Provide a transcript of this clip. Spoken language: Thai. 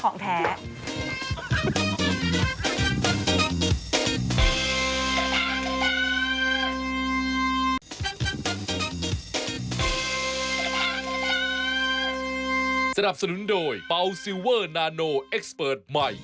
สำหรับสนุนโดยเปาซิลเวอร์นาโนเอกสเปิร์ตใหม่